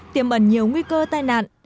tiềm ẩn nhiều nguy cơ tai nạn